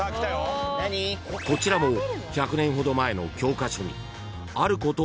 ［こちらも１００年ほど前の教科書に］